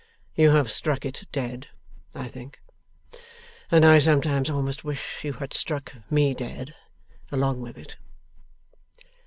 You have struck it dead, I think, and I sometimes almost wish you had struck me dead along with it.